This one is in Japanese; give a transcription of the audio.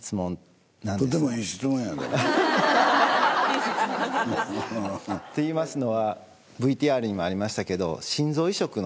ずっと。といいますのはＶＴＲにもありましたけど。